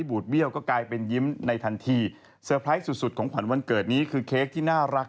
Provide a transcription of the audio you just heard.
กระเทยเก่งกว่าเออแสดงความเป็นเจ้าข้าว